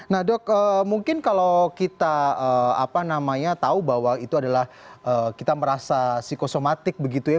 nah dok mungkin kalau kita tahu bahwa itu adalah kita merasa psikosomatik begitu ya